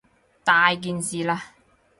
大件事喇！